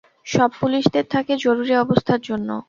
সব পুলিশ দের থাকে জরুরি অবস্থার জন্য।